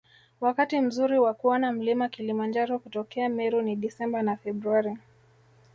Wakati mzuri wa kuona mlima Kilimanjaro kutokea Meru ni Desemba na Februari